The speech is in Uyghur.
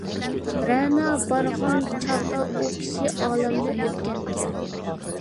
رەنا بارغان چاغدا ئۇ كىشى ئالەمدىن ئۆتكەنىكەن.